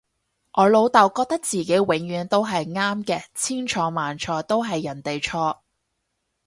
我老竇覺得自己永遠都係啱嘅，千錯萬錯都係人哋錯